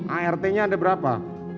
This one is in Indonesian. art nya ada berapa